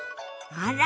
あら。